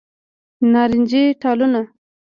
نارنجې ټالونه